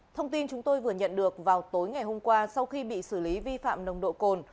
thông tin chúng tôi vừa nhận được vào tối ngày hôm qua sau khi bị xử lý vi phạm nồng độ cồn